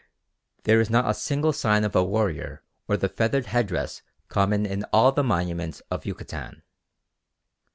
There is not a single sign of a warrior or the feathered headdress common in all the monuments of Yucatan.